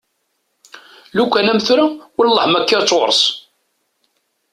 Lukan am tura wellah ma kkiɣ-tt ɣur-s?